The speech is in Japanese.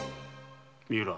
三浦。